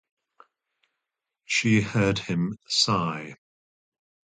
She heard him sigh.